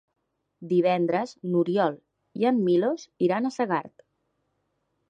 Divendres n'Oriol i en Milos iran a Segart.